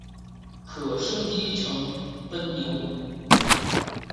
可升级成奔牛。